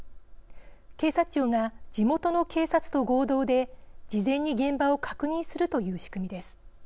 警察庁が地元の警察と合同で事前に現場を確認するという仕組みです。